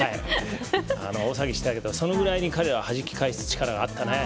大騒ぎしたけど、そのぐらいに彼ははじき返す力があったね。